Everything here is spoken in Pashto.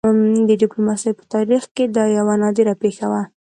د ډيپلوماسۍ په تاریخ کې دا یوه نادره پېښه وه.